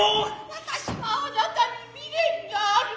私は貴方に未練がある。